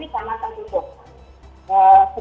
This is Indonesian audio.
tapi perencanaan penyusunan baru kemudian pembahasan